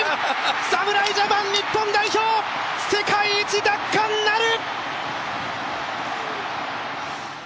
侍ジャパン、日本代表、世界一奪還なる！